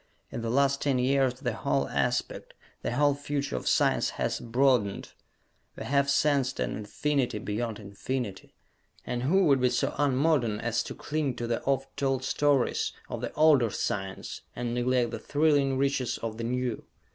In the last ten years the whole aspect, the whole future of science has broadened; we have sensed an infinity beyond infinity; and who would be so un modern as to cling to the oft told stories of the older science and neglect the thrilling reaches of the new!